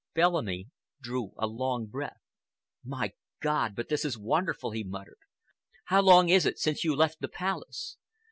Bellamy drew a long breath. "My God, but this is wonderful!" he muttered. "How long is it since you left the Palace?"